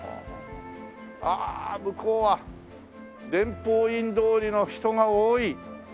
あ向こうは伝法院通りの人が多い。